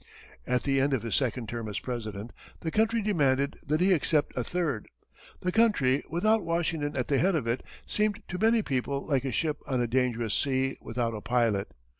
At the end of his second term as President, the country demanded that he accept a third; the country, without Washington at the head of it, seemed to many people like a ship on a dangerous sea without a pilot.